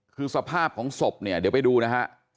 คือสภาพของศพเนี่ยเดี๋ยวไปดูนะฮะ